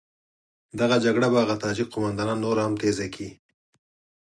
دغه جګړه به هغه تاجک قوماندانان نوره هم تېزه کړي.